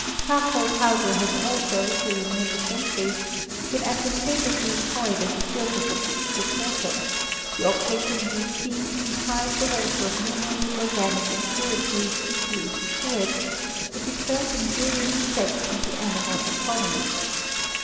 Charcoal powder has also, during many centuries, been advantageously employed as a filter for putrid water, the object in view being to deprive the water of numerous organic impurities diffused through it, which exert injurious effects on the animal economy.